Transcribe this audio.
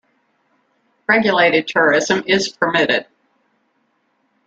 Regulated tourism is permitted.